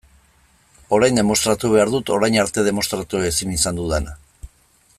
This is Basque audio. Orain demostratu behar dut orain arte demostratu ezin izan dudana.